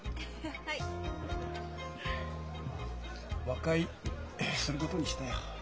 和解することにしたよ。